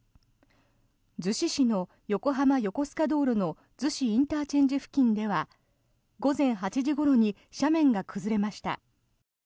逗子市の横浜横須賀道路の逗子ＩＣ付近では午前８時ごろに斜面が崩れました。